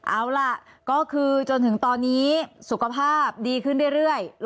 เอาล่ะก็คือจนถึงตอนนี้สุขภาพดีขึ้นเรื่อย